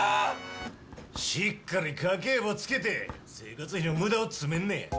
しっかり家計簿つけて生活費の無駄を詰めんねや。